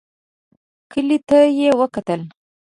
کلي ته يې وکتل.